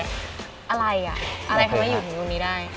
อะไรอ่ะอะไรทำไมอยู่ถึงตรงนี้ได้